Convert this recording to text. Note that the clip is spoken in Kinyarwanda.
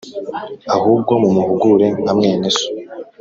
ahubwo mumuhugure nka mwene So